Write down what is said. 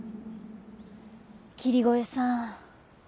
霧声さん。